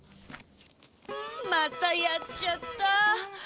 またやっちゃった。